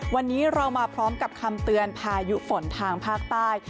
วันนี้เรามาพร้อมกับคำเตือนพายุฝนทางภาคใต้